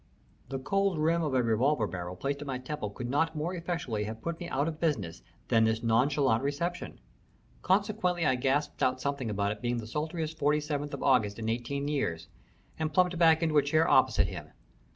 The cold rim of a revolver barrel placed at my temple could not more effectually have put me out of business than this nonchalant reception. Consequently I gasped out something about its being the sultriest 47th of August in eighteen years, and plumped back into a chair opposite him.